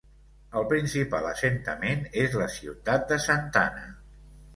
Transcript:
El principal assentament és la ciutat de Santana.